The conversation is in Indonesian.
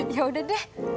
ya udah deh